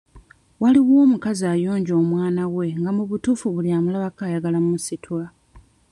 Waliyo omukazi ayonja omwana we nga mu butuufu buli amulabako ayagala mmusitula.